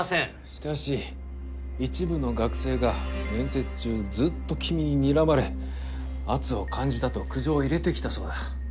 しかし一部の学生が面接中ずっと君ににらまれ圧を感じたと苦情を入れてきたそうだ。